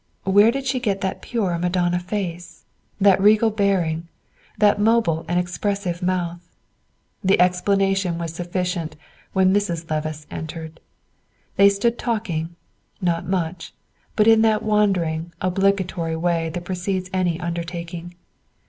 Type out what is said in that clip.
Where did she get that pure Madonna face, that regal bearing, that mobile and expressive mouth? The explanation was sufficient when Mrs. Levice entered. They stood talking, not much, but in that wandering, obligatory way that precedes any undertaking.